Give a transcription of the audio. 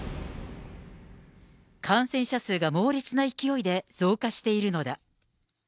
感染者数が猛烈な勢いで増加しているのだ。